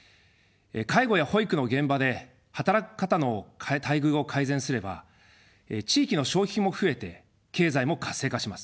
介護や保育の現場で働く方の待遇を改善すれば地域の消費も増えて経済も活性化します。